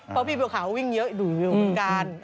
พ่อพี่บัวขาววิ่งเยอะเดี๋ยวประการ